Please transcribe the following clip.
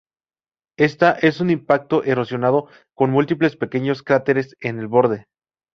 Esta es un impacto erosionado, con múltiples pequeños cráteres en el borde.